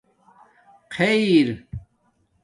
خِیر